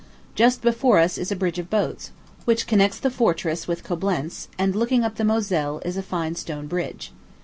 Just before us is a bridge of boats, which connects the fortress with Coblentz; and, looking up the Moselle, is a fine stone bridge.